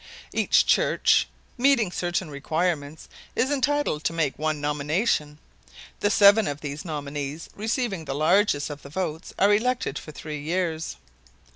Each church, meeting certain requirements, is entitled to make one nomination. The seven of these nominees receiving the largest number of votes are elected for three years.